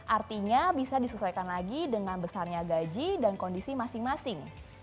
artinya bisa disesuaikan lagi dengan besarnya gaji dan kondisi masing masing